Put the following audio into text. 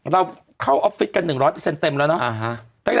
เราเข้าออฟฟิศกันหนึ่งร้อยเปอร์เซ็นต์เต็มแล้วเนอะอ่าฮะ